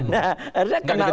nah akhirnya kena lagi